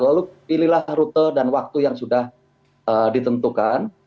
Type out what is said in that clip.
lalu pilihlah rute dan waktu yang sudah ditentukan